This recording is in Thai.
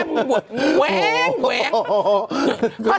แหวง